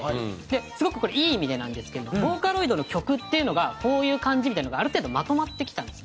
すごくこれいい意味でなんですけどボーカロイドの曲っていうのがこういう感じみたいなのがある程度まとまってきたんです。